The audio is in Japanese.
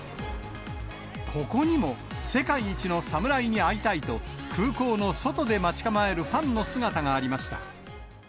ここにも、世界一の侍に会いたいと、空港の外で待ち構えるファンの姿がありました。